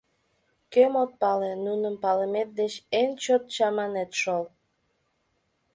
— Кӧм от пале, нуным палымет деч эн чот чаманет шол...